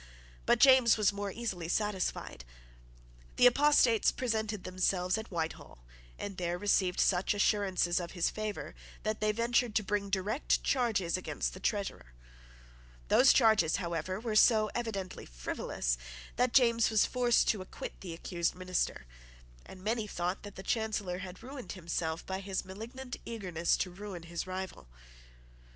But James was more easily satisfied. The apostates presented themselves at Whitehall, and there received such assurances of his favour, that they ventured to bring direct charges against the Treasurer. Those charges, however, were so evidently frivolous that James was forced to acquit the accused minister; and many thought that the Chancellor had ruined himself by his malignant eagerness to ruin his rival.